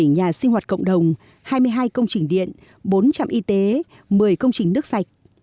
một trăm ba mươi bảy nhà sinh hoạt cộng đồng hai mươi hai công trình điện bốn trăm linh y tế một mươi công trình nước sạch